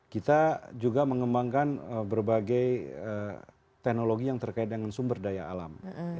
kita juga mengembangkan berbagai teknologi yang terkait dengan sumber daya alam